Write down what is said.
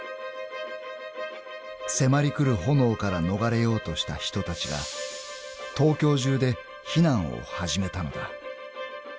［迫り来る炎から逃れようとした人たちが東京中で避難を始めたのだ］